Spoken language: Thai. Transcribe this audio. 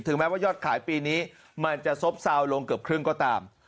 แม้ว่ายอดขายปีนี้มันจะซบซาวนลงเกือบครึ่งก็ตาม